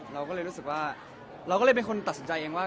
เราก็เลยรู้สึกว่าเราก็เลยเป็นคนตัดสินใจเองว่า